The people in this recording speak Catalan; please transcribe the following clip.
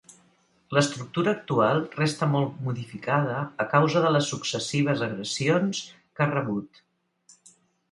L'estructura actual resta molt modificada a causa de les successives agressions que ha rebut.